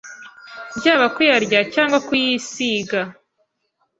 Byaba kuyarya cyangwa kuyisiga,